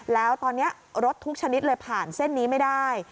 แล้วตอนนี้รถทุกชนิดเลยผ่านเส้นนี้ไม่ได้